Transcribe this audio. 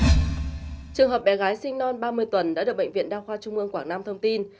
trường hợp bé gái sinh non ba mươi tuần đã được bệnh viện đa khoa trung ương quảng nam thông tin